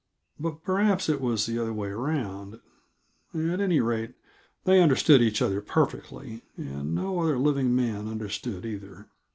But perhaps it was the other way around; at any rate, they understood each other perfectly, and no other living man understood either.